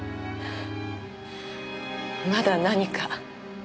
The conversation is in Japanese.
まだ何か？